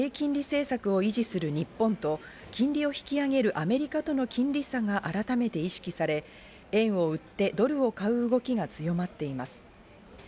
このため、低金利政策を維持する日本と、金利を引き上げるアメリカとの金利差が改めて意識され、円を売ってドルを買う動きが強まっています。